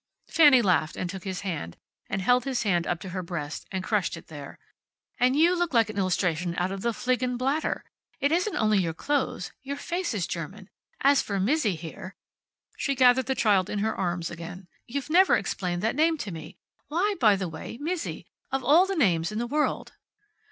Fanny laughed and took his hand, and held his hand up to her breast, and crushed it there. "And you look like an illustration out of the Fliegende Blaetter. It isn't only your clothes. Your face is German. As for Mizzi here " she gathered the child in her arms again "you've never explained that name to me. Why, by the way, Mizzi? Of all the names in the world."